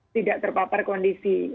tidak terpapar kondisi